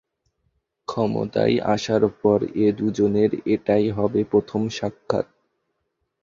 ক্ষমতায় আসার পর এ দুজনের এটাই হবে প্রথম সাক্ষাৎ।